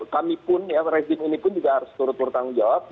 kami pun rezim ini pun juga harus turut turut tanggung jawab